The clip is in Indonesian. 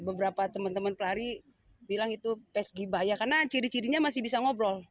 beberapa teman teman pelari bilang itu pes giba ya karena ciri cirinya masih bisa ngobrol